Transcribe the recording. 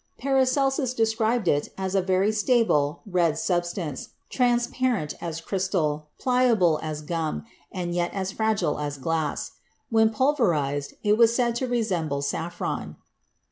Paracelsus described it as a very stable, red substance, transparent as crystal, pliable as gum, and yet as fragile as glass. When pulverized, it was said to resemble saffron.